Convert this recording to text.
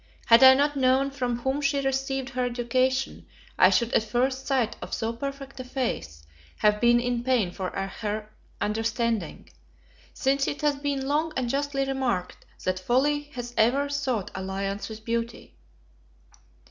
Had I not known from whom she received her education, I should at first sight of so perfect a face, have been in pain for her understanding; since it has been long and justly remarked, that folly has ever sought alliance with beauty.